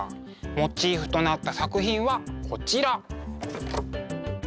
モチーフとなった作品はこちら。